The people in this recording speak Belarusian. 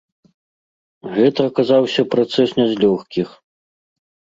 Гэта аказаўся працэс не з лёгкіх.